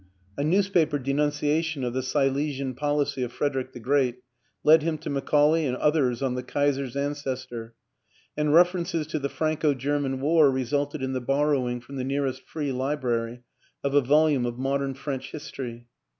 A newspaper denunciation of the Silesian policy of Frederick the Great led him to Macaulay and others on the Kaiser's an cestor, and references to the Franco German War resulted in the borrowing from the nearest Free Library of a volume of modern French history.